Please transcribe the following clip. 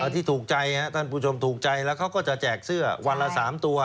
ที่ถูกใจท่านผู้ชมถูกใจแล้วเขาก็จะแจกเสื้อวันละ๓ตัว